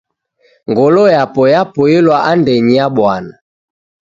Ngolo yapo yapoelewa andenyi ya bwana.